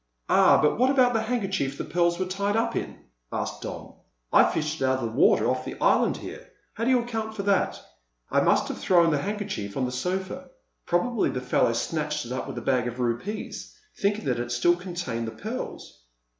"Ah, but what about the handkerchief the pearls were tied up in?" asked Don. "I fished it out of the water off the island here. How do you account for that?" "I must have thrown the handkerchief on the sofa. Probably the fellow snatched it up with the bag of rupees, thinking that it still contained the pearls."